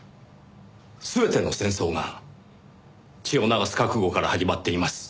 全ての戦争が血を流す覚悟から始まっています。